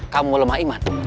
kamu lemah iman